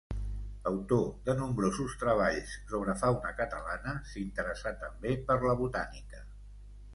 Autor de nombrosos treballs sobre fauna catalana, s'interessà també per la botànica.